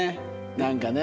なんかね。